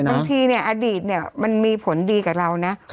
ใช่บางทีเนี้ยอดีตเนี้ยมันมีผลดีกับเราน่ะค่ะ